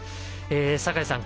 坂井さん